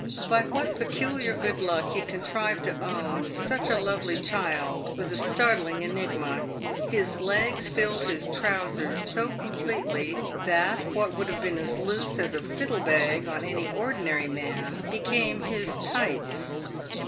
By what peculiar good luck he contrived to own such a lovely child was a startling enigma. His legs filled his trousers so completely, that what would have been as loose as a fiddle bag on any ordinary man became his tights.